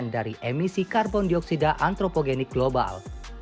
dari emisi karbon dioksida antropogenik global